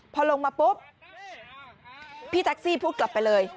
พอลงมาปุ๊บพี่แท็กซี่พูดกลับไปเลย